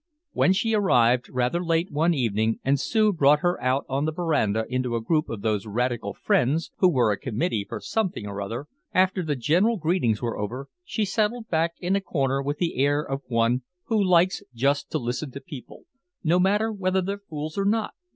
When she arrived rather late one evening and Sue brought her out on the verandah into a group of those radical friends who were a committee for something or other, after the general greetings were over she settled back in a corner with the air of one who likes just to listen to people, no matter whether they're fools or not.